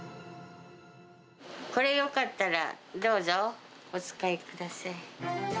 これ、よかったらどうぞ、お使いください。